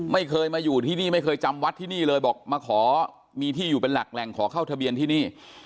ไม่เคยมาอยู่ที่นี่ไม่เคยจำวัดที่นี่เลยบอกมาขอมีที่อยู่เป็นหลักแหล่งขอเข้าทะเบียนที่นี่